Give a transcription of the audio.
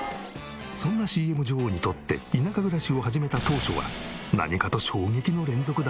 そんなＣＭ女王にとって田舎暮らしを始めた当初は何かと衝撃の連続だったそうで。